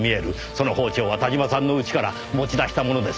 その包丁は田島さんの家から持ち出したものです。